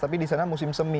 tapi di sana musim semi